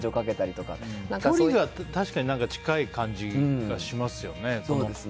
距離が確かに近い感じがしますよね。